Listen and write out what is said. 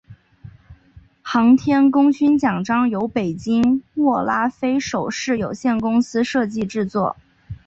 航天功勋奖章由北京握拉菲首饰有限公司设计制作。